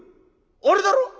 あれだろ？